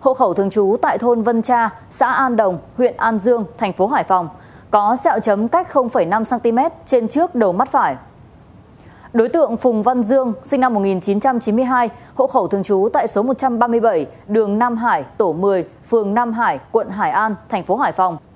hộ khẩu thường trú tại số một trăm ba mươi bảy đường nam hải tổ một mươi phường nam hải quận hải an thành phố hải phòng